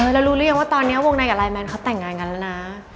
รู้หรือยังว่าตอนนี้วงในกับไลน์แมนเขาแต่งงานกันแล้วนะ